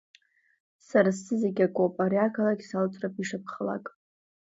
Сара сзы зегьы акоуп, ари ақалақь салҵроуп ишакәхалак.